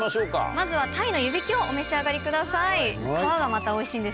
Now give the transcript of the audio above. まずはタイの湯引きをお召し上がりください。